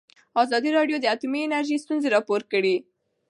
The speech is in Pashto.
ازادي راډیو د اټومي انرژي ستونزې راپور کړي.